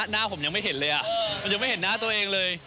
หน้าผมยังไม่เห็นเลยมันยังไม่เห็นหน้าตัวเองเลย